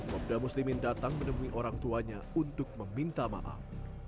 kopda muslimin datang menemui orang tuanya untuk meminta maaf